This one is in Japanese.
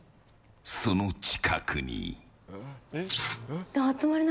その近くに。